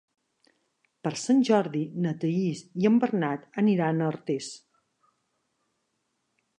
Per Sant Jordi na Thaís i en Bernat aniran a Artés.